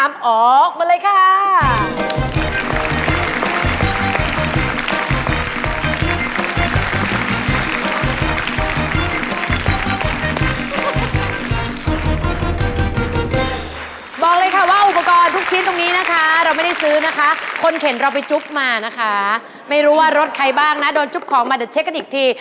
บอกเลยค่ะว่าอุปกรณ์ทุกชิ้นตรงนี้นะคะเราไม่ได้ซื้อนะคะคนเข็นเราไปจุ๊บมานะคะไม่รู้ว่ารถใครบ้างนะโดนจุ๊บของมาเดี๋ยวเช็คกันอีกที